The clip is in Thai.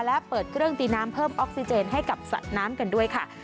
และเปิดเครื่องตีน้ำเพิ่มออกซิเจนให้กับสระน้ำกันด้วยค่ะ